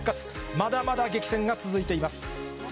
まだまだ激戦が続いています。